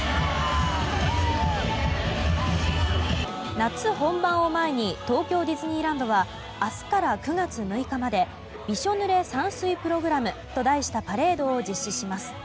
夏本番を前に東京ディズニーランドは明日から９月６日までびしょ濡れ散水プログラムと題したパレードを実施します。